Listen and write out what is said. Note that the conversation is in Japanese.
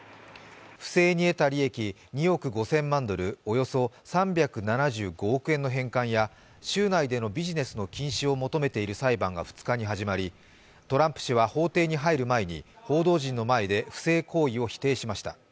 不正に得た利益２億５０００万ドル、およそ３７５億円の返還や州内でのビジネスの禁止を求めている裁判が２日に始まりトランプ氏は法廷に入る前に報道陣の前で不正行為を否定しました。